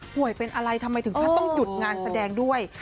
เป็นอะไรทำไมถึงขั้นต้องหยุดงานแสดงด้วย